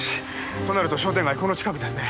となると商店街この近くですね。